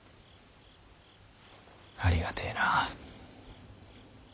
ありがてぇな。